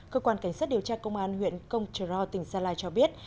cơ quan cảnh sát điều tra công an huyện công trờ ro tỉnh gia lai cho biết